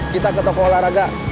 kita ke toko olahraga